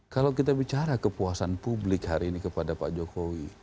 kalau kita bicara kepuasan publik hari ini kepada pak jokowi